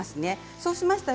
そうしましたら。